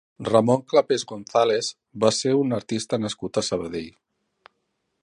Ramon Clapés González va ser un artista nascut a Sabadell.